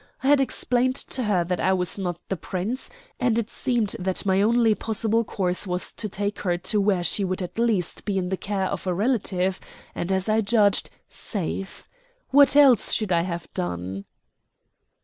I had explained to her that I was not the Prince, and it seemed that my only possible course was to take her to where she would at least be in the care of a relative, and, as I judged, safe. What else should I have done?"